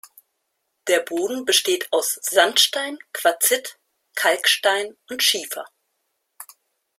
Der Boden besteht aus Sandstein, Quarzit, Kalkstein und Schiefer.